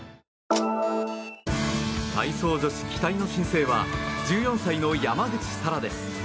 体操女子期待の新星は１４歳の山口幸空です。